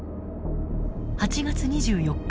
８月２４日